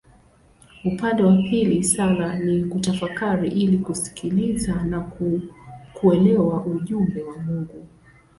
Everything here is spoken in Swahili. Upande wa pili sala ni kutafakari ili kusikiliza na kuelewa ujumbe wa Mungu.